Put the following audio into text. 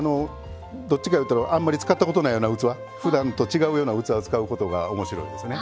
どっちかいうたらあんまり使ったことのないような器ふだんと違うような器を使うことが面白いですね。